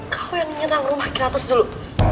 kau yang menyerang rumah kita terus dulu